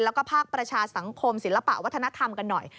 แล้วก็ภาคประชาสังคมศิลปะวัฒนธรรมกันหน่อย